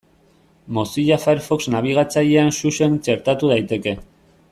Mozilla Firefox nabigatzailean Xuxen txertatu daiteke.